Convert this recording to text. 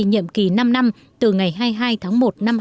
nhậm kỳ năm năm từ ngày hai mươi hai tháng một năm hai nghìn một mươi bảy